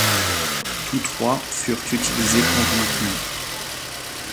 Tous trois furent utilisés conjointement.